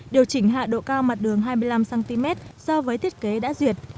điều chỉnh hạ độ cao mặt đường hai mươi năm cm so với thiết kế đã duyệt